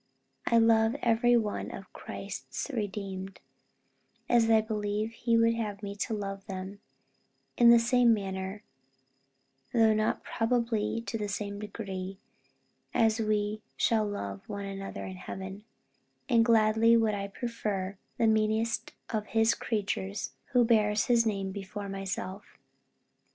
I love every one of Christ's redeemed, as I believe he would have me love them in the same manner, though not probably to the same degree as we shall love one another in heaven; and gladly would I prefer the meanest of his creatures, who bears his name, before myself."